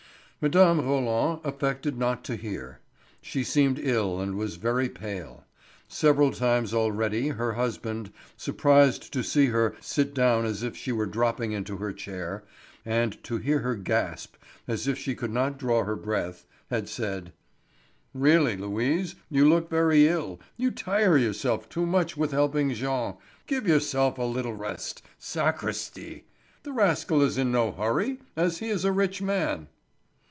Mme. Roland affected not to hear; she seemed ill and was very pale. Several times already her husband, surprised to see her sit down as if she were dropping into her chair, and to hear her gasp as if she could not draw her breath, had said: "Really, Louise, you look very ill; you tire yourself too much with helping Jean. Give yourself a little rest. Sacristi! The rascal is in no hurry, as he is a rich man."